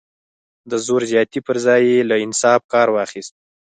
د زور زیاتي پر ځای یې له انصاف کار واخیست.